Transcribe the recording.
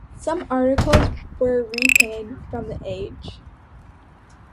Some articles were reprinted from "The Age".